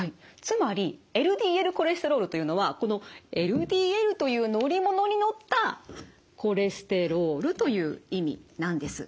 つまりＬＤＬコレステロールというのはこのＬＤＬという乗り物に乗ったコレステロールという意味なんです。